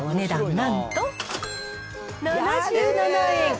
なんと７７円。